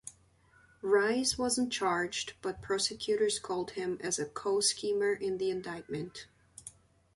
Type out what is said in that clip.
Reyes wasn't charged, but prosecutors called him as a "co-schemer" in the indictment.